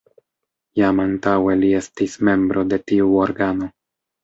Jam antaŭe li estis membro de tiu organo.